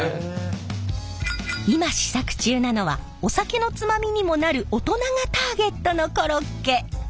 今試作中なのはお酒のつまみにもなる大人がターゲットのコロッケ。